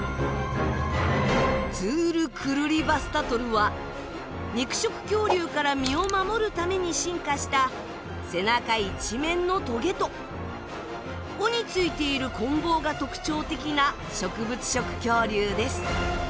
ズール・クルリヴァスタトルは肉食恐竜から身を守るために進化した背中一面のトゲと尾についているこん棒が特徴的な植物食恐竜です。